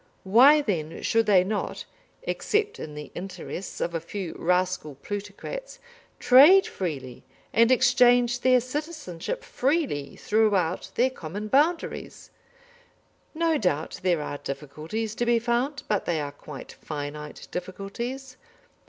Why, then, should they not except in the interests of a few rascal plutocrats trade freely and exchange their citizenship freely throughout their common boundaries? No doubt there are difficulties to be found, but they are quite finite difficulties.